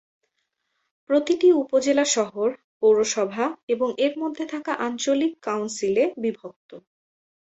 প্রতিটি উপজেলা শহর, পৌরসভা এবং এর মধ্যে থাকা আঞ্চলিক কাউন্সিলে বিভক্ত।